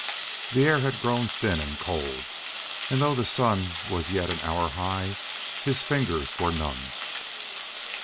The air had grown thin and cold, and though the sun was yet an hour high, his fingers were numb.